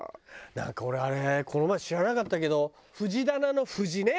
なんか俺あれこの前知らなかったけど藤棚の藤ね。